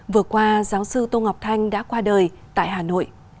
vừa qua giáo sư tô ngọc thanh đã qua đời tại hà nội